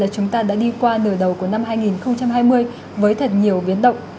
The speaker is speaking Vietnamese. chúng ta đã đi qua nửa đầu của năm hai nghìn hai mươi với thật nhiều biến động